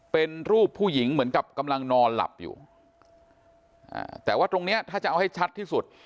เป็นรูปผู้หญิงเหมือนกับกำลังนอนหลับอยู่อ่าแต่ว่าตรงเนี้ยถ้าจะเอาให้ชัดที่สุด